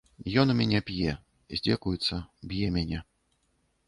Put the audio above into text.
Ён у мяне п'е, здзекуецца, б'е мяне.